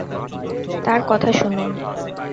তার কথা শুনুন!